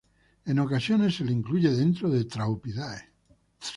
En ocasiones se le incluye dentro de Thraupidae.